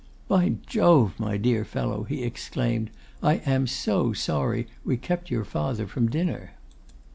'By Jove! my dear fellow,' he exclaimed, 'I am so sorry we kept your father from dinner.